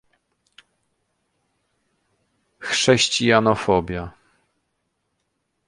chrześcijanofobia